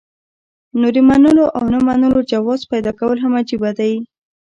نو د منلو او نۀ منلو جواز پېدا کول هم عجيبه ده